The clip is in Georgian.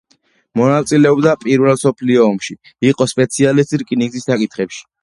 მონაწილეობდა პირველ მსოფლიო ომში, იყო სპეციალისტი რკინიგზის საკითხებში.